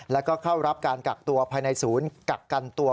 แล้วก็เข้ารับการกักตัวภายในศูนย์กักกันตัว